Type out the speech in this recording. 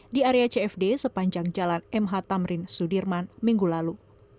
di area cfd sepanjang jalan mh tamrin sudirman minggu lalu